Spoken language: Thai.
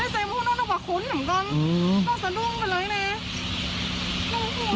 ได้ใส่พุ่งน้องน้องกว่าคุ้นเหมือนกันน้องสะดุ้งเป็นไรเนี่ย